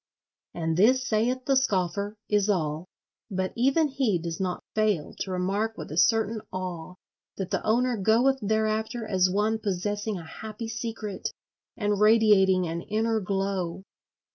And this saith the scoffer, is all; but even he does not fail to remark with a certain awe that the owner goeth thereafter as one possessing a happy secret and radiating an inner glow.